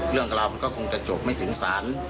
เรื่องของเรามันก็คงจะจบไม่ถึงสรร